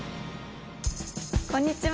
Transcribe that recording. こんにちは。